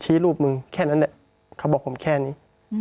พี่เรื่องมันยังไงอะไรยังไง